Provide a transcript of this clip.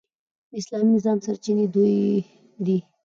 د اسلامي نظام سرچینې دوې دي.